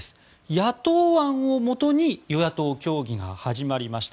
野党案をもとに与野党協議が始まりました。